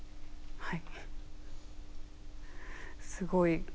はい。